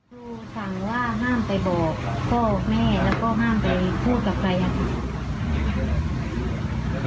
ดูสั่งว่าห้ามไปบอกพ่อแม่แล้วก็ห้ามไปพูดกับใครอะค่ะ